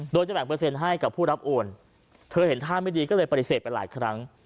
โดยจะแบ่งเปอร์เซ็นต์ให้กับผู้รับโอนเธอเห็นท่าไม่ดีก็เลยปฏิเสธไปหลายครั้ง